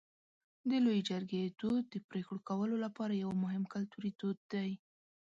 د لویې جرګې دود د پرېکړو کولو لپاره یو مهم کلتوري دود دی.